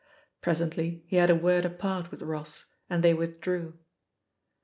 Presently he had a word apart with Ross, and they withdrew.